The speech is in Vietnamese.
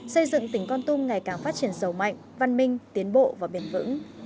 xây dựng tỉnh con tum ngày càng phát triển sầu mạnh văn minh tiến bộ và bền vững